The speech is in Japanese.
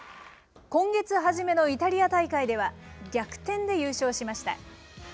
今月初めのイタリア大会では逆転で優勝しました。